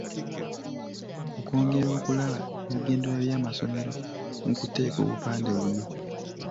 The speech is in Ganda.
Okwongera okulaba ebigendererwa by’amasomero mu kuteeka obupande buno.